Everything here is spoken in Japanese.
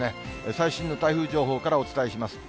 最新の台風情報からお伝えします。